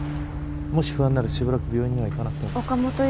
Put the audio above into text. もし不安ならしばらく病院には行かなくても。